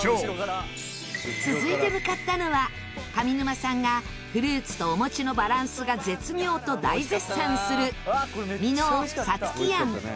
続いて向かったのは上沼さんがフルーツとお餅のバランスが絶妙と大絶賛する箕面薩喜庵。